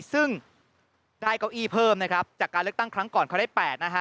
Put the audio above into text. ซึ่งได้เก้าอี้เพิ่มนะครับจากการเลือกตั้งครั้งก่อนเขาได้๘นะฮะ